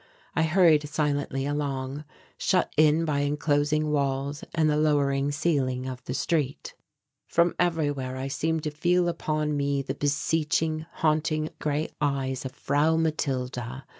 I hurried silently along, shut in by enclosing walls and the lowering ceiling of the street. From everywhere I seemed to feel upon me the beseeching, haunting grey eyes of Frau Matilda.